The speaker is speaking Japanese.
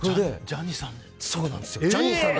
ジャニーさん？